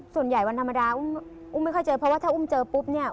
ส่วนใหญ่วันธรรมดาอุ้มไม่ค่อยเจอ